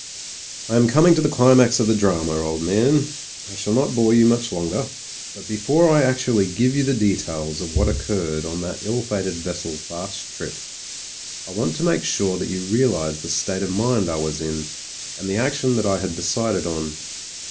••••••• I am coming to the climax of the drama, old man; I shall not bore you much longer. But before I ac tually give you the details of what occurred on that SPUD TREVOR OF THE RED HUSSARS 91 ill fated vessel's last trip, I want to make* sure that you realise the state of mind I was in, and the action that I had decided on.